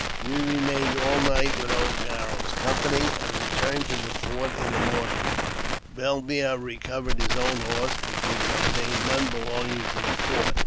We remained all night with old Garro's company, and returned to the fort in the morning. Bellemaire recovered his own horses, but could obtain none belonging to the fort.